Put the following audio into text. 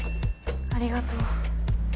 ありがとう。